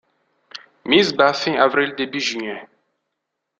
Mise-bas fin avril début juin.